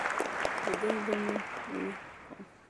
لیدلی به مې وي، خو ...